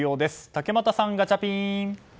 竹俣さん、ガチャピン。